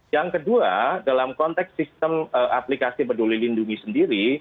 yang kedua dalam konteks sistem aplikasi peduli lindungi sendiri